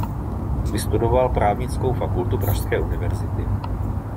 Vystudoval právnickou fakultu pražské univerzity.